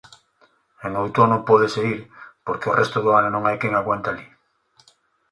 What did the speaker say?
En outono pódese ir, porque o resto do ano non hai quen aguante alí.